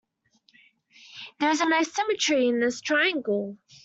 There is an asymmetry in this triangle.